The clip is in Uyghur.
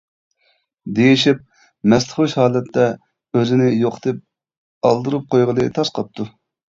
دېيىشىپ، مەستخۇش ھالەتتە، ئۆزىنى يوقىتىپ، ئالدۇرۇپ قويغىلى تاس قاپتۇ.